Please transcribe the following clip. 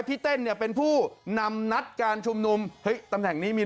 พี่เต้นนี้เป็นผู้นำนัดการชุมนุม